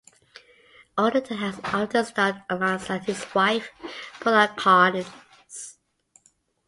Alderton has often starred alongside his wife, Pauline Collins.